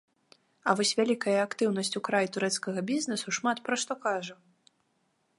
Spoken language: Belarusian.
А вось вялікая актыўнасць у краі турэцкага бізнэсу шмат пра што кажа.